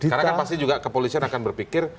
karena kan pasti juga kepolisian akan berpikir